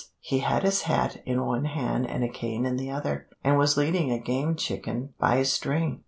He had his hat in one hand and a cane in the other, and was leading a game chicken by a string.